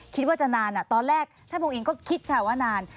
คิดว่าจะนานตอนแรกท่านพระอินก็คิดค่ะว่านาน